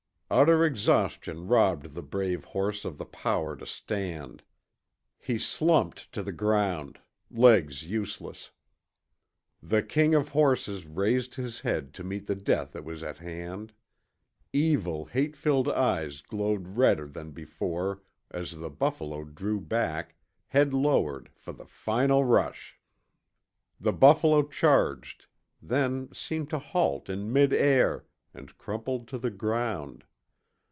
Utter exhaustion robbed the brave horse of the power to stand. He slumped to the ground, legs useless. The king of horses raised his head to meet the death that was at hand. Evil, hate filled eyes glowed redder than before as the buffalo drew back, head lowered for the final rush. The buffalo charged then seemed to halt in mid air and crumpled to the ground.